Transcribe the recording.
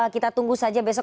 kita tunggu saja besok